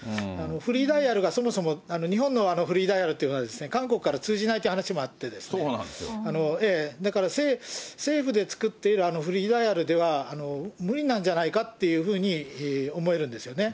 フリーダイヤルが、そもそも日本のフリーダイヤルというのは韓国から通じないという話もあって、だから政府で作っているフリーダイヤルでは無理なんじゃないかというふうに思えるんですよね。